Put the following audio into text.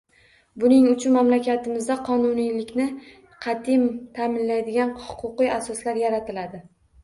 Buning uchun mamlakatimizda qonuniylikni qat’iy ta’minlaydigan huquqiy asoslar yaratiladi.